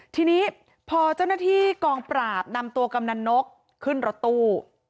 ทีนี้พอเจ้าหน้าที่กองปราบนำตัวกำนันนกขึ้นรถตู้